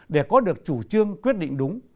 để có được chủ trương quyết định đúng